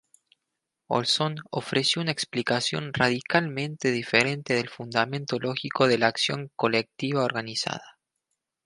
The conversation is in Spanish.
Olson ofreció una explicación radicalmente diferente del fundamento lógico de la acción colectiva organizada.